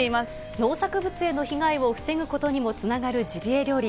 農作物への被害を防ぐことにもつながるジビエ料理。